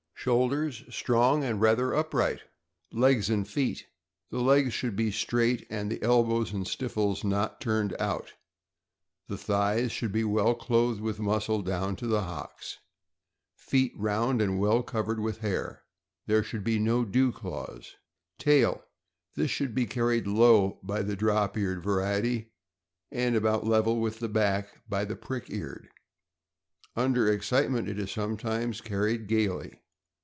Shoulders strong and rather upright. Legs and feet. — The legs should be straight, and the elbows and stifles not turned out. The thighs should be well clothed with muscle down to the hocks. Feet round and well covered with hair. There should be no dew claws. Tail. — This should be carried low by the drop eared variety, and about level with the back by the prick eared. Under excitement, it is sometimes carried gaily.